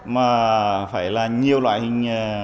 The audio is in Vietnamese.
mà phải là nhiều loại hình